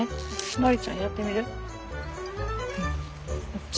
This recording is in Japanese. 典ちゃんやってみる？